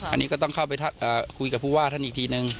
อันนี้ก็ต้องเข้าไปคุยกับผู้ว่าท่านอีกทีนึง